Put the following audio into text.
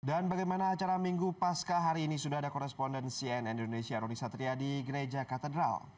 dan bagaimana acara minggu pasca hari ini sudah ada koresponden cn indonesia roni satria di gereja katedral